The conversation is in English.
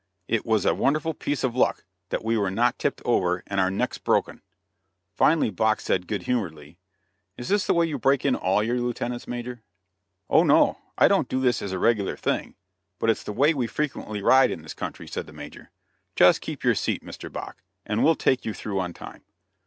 It Was a wonderful piece of luck that we were not tipped over and our necks broken. Finally Bache said, good humoredly: "Is this the way you break in all your Lieutenants, Major?" "Oh, no; I don't do this as a regular thing, but it's the way we frequently ride in this country," said the Major; "just keep your seat, Mr. Bache, and we'll take you through on time."